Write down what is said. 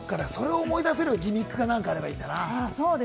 それを思い出せるギミックか何かあればいいんだな。